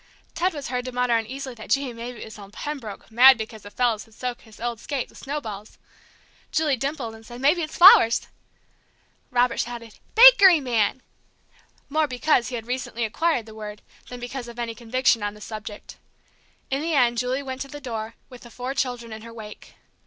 Ted was heard to mutter uneasily that, gee, maybe it was old Pembroke, mad because the fellers had soaked his old skate with snowballs; Julie dimpled and said, "Maybe it's flowers!" Robert shouted, "Bakeryman!" more because he had recently acquired the word than because of any conviction on the subject. In the end Julie went to the door, with the four children in her wake.